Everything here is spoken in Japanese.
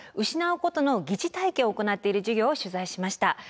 失うことの疑似体験を行っている授業を取材しました。